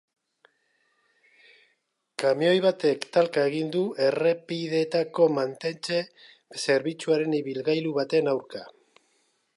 Kamioi batek talka egin du errepideetako mantentze zerbitzuaren ibilgailu baten aurka.